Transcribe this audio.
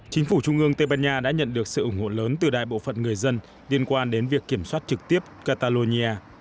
chính phủ trung ương tây ban nha đã nhận được sự ủng hộ lớn từ đại bộ phận người dân liên quan đến việc kiểm soát trực tiếp catalonia